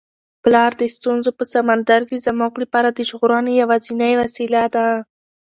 پلار د ستونزو په سمندر کي زموږ لپاره د ژغورنې یوازینۍ وسیله ده.